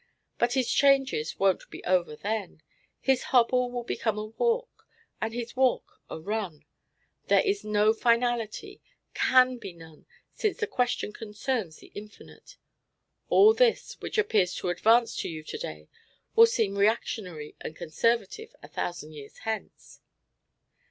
But his changes won't be over then. His hobble will become a walk, and his walk a run. There is no finality CAN be none since the question concerns the infinite. All this, which appears too advanced to you to day, will seem reactionary and conservative a thousand years hence.